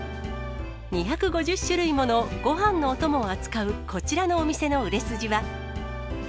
２５０種類もの、ごはんのお供を扱うこちらのお店の売れ筋は。